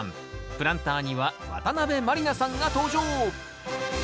プランターには渡辺満里奈さんが登場。